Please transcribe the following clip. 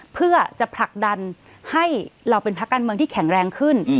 เพื่อจะผลักดันให้เราเป็นพักการเมืองที่แข็งแรงขึ้น